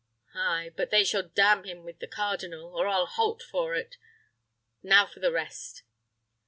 Ay, but they shall damn him with the cardinal, or I'll halt for it! Now for the rest!"